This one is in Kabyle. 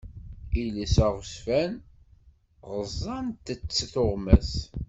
Iles aɣezfan, ɣeẓẓent-tt tuɣmas.